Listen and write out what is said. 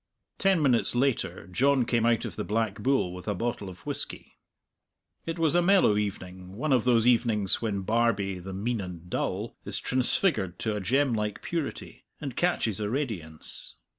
Ten minutes later John came out of the Black Bull with a bottle of whisky. It was a mellow evening, one of those evenings when Barbie, the mean and dull, is transfigured to a gem like purity, and catches a radiance.